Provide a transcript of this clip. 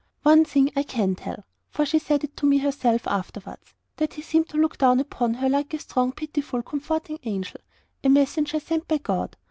One thing I can tell, for she said it to me herself afterwards, that he seemed to look down upon her like a strong, pitiful, comforting angel; a messenger sent by God.